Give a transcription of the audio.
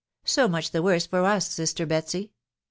so much the worse for us, sister Betsy.